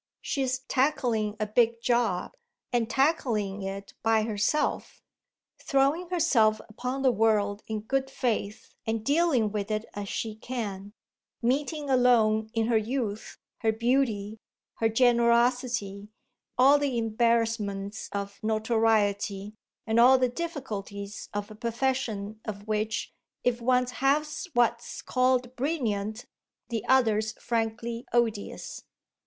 She's tackling a big job, and tackling it by herself; throwing herself upon the world in good faith and dealing with it as she can; meeting alone, in her youth, her beauty, her generosity, all the embarrassments of notoriety and all the difficulties of a profession of which, if one half's what's called brilliant the other's frankly odious."